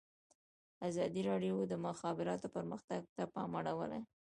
ازادي راډیو د د مخابراتو پرمختګ ته پام اړولی.